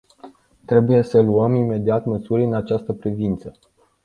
Trebuie să luăm imediat măsuri în această privință.